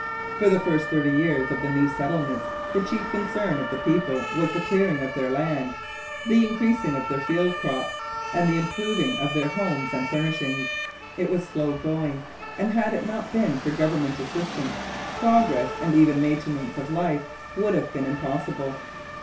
For the first thirty years of the new settlements the chief concern of the people was the clearing of their land, the increasing of their field crops, and the improving of their homes and furnishings. It was slow going, and had it not been for government assistance, progress, and even maintenance of life, would have been impossible.